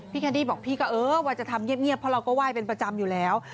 แคนดี้บอกพี่ก็เออว่าจะทำเงียบเพราะเราก็ไหว้เป็นประจำอยู่แล้ว